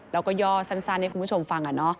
แล้วก็ย่อสั้นให้คุณผู้ชมฟัง